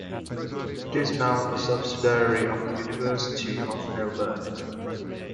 It is now a subsidiary of the University of Melbourne.